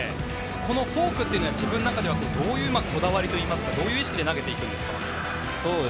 フォークは自分の中ではどういうこだわりといいますかどういう意識で投げていくんですか？